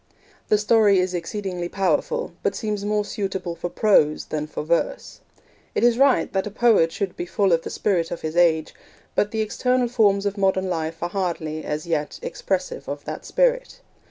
The story is exceedingly powerful, but seems more suitable for prose than for verse. It is right that a poet should be full of the spirit of his age, but the external forms of modern life are hardly, as yet, expressive of that spirit.